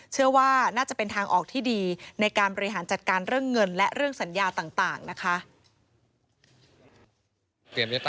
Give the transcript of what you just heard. เชื่อว่าน่าจะเป็นทางออกที่ดีในการบริหารจัดการเรื่องเงินและเรื่องสัญญาต่างนะคะ